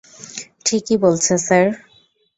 ঠিকই বলছে, স্যার।